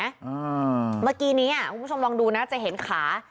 เมื่อกี้นี้คุณผู้ชมลองดูนะจะเห็นขา